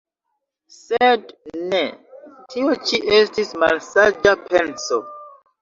Sed ne, tio ĉi estis malsaĝa penso.